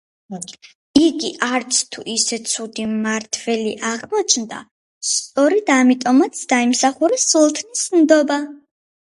იგი არცთუ ისე ცუდი მმართველი აღმოჩნდა, სწორედ ამიტომაც დაიმსახურა სულთნის ნდობა.